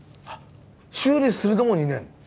修理するのも２年。